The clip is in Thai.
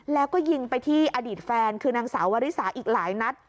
แล้วก็ยิงไปที่อดีตแฟนคือนางสาววริสาอีกหลายนัด